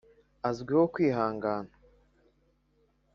azwiho kwihangana.